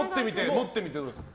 持ってみてどうですか。